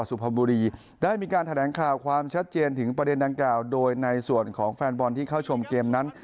แสงข่าวความชัดเจนถึงประเด็นดังกล่าวโดยในส่วนของแฟนบอลที่เข้าชมเกมนั้น